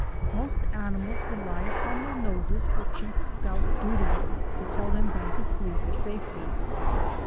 Most animals rely upon their noses for chief scout duty to tell them when to flee for safety.